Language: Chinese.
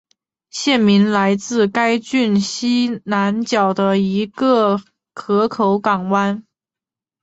县名来自该郡西南角的一个河口港湾。